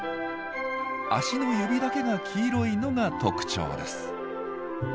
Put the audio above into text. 足の指だけが黄色いのが特徴です。